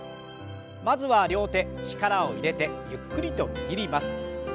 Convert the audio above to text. まずは両手力を入れてゆっくりと握ります。